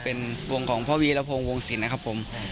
เป็นวงของพ่อวีรพงศ์วงศิลปนะครับผม